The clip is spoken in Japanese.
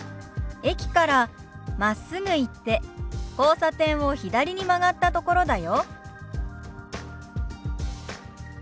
「駅からまっすぐ行って交差点を左に曲がったところだよ」。